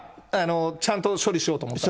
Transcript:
ちゃんと処理しようと思ったらね。